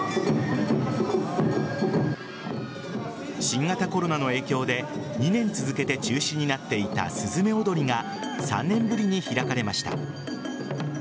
新型コロナの影響で２年続けて中止になっていたすずめ踊りが３年ぶりに開かれました。